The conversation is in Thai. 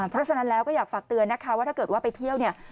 เพราะฉะนั้นแล้วก็อยากฝากเตือนนะคะว่าถ้าเกิดว่าไปเที่ยวเนี่ย